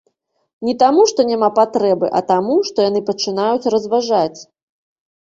Не таму, што няма патрэбы, а таму, што яны пачынаюць разважаць.